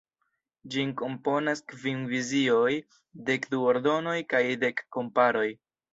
Ĝin komponas kvin vizioj, dek du “Ordonoj” kaj dek “komparoj”.